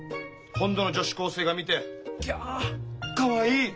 本土の女子高生が見て「キャかわいい！」